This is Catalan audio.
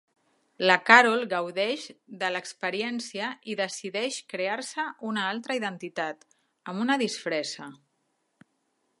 La Carol gaudeix de l'experiència i decideix crear-se una altra identitat amb una disfressa.